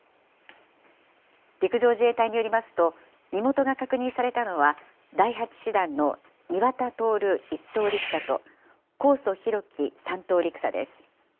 陸上自衛隊によりますと、身元が確認されたのは第８師団の庭田徹１等陸佐と、神尊皓基３等陸佐です。